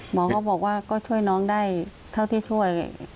หมอก็บอกว่าก็ช่วยน้องได้เท่าที่ช่วย